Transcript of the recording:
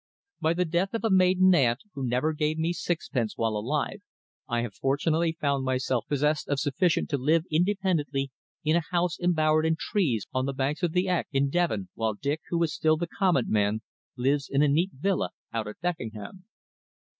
By the death of a maiden aunt, who never gave me sixpence while alive, I have fortunately found myself possessed of sufficient to live independently in a house embowered in trees on the banks of the Exe, in Devon, while Dick, who is still "the Comet man," lives in a neat villa out at Beckenham.